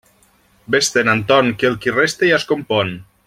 Vés-te'n, Anton, que el qui resta ja es compon.